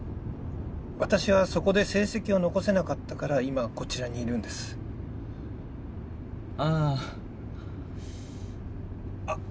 私はそこで成績を残せなかったから今こちらにいるんですあああっ